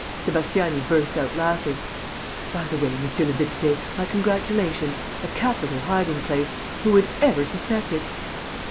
Sébastiani burst out laughing. "By the way, monsieur le député, my congratulations! A capital hiding place. Who would ever suspect it?...